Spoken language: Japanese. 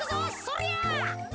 そりゃ！